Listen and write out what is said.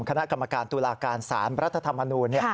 คณะกรรมการตุลาการสารรัฐธรรมนูล